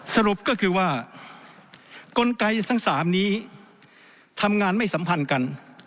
สรุปก็คือว่ากลไกทั้ง๓นี้ทำงานไม่สัมพันธ์กัน